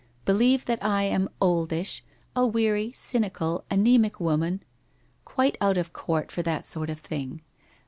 Believe that I am oldish, a weary, cynical, anaemic woman, quite out of court for that sort of thing.